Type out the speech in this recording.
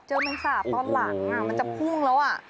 แมงสาบตอนหลังมันจะพุ่งแล้ว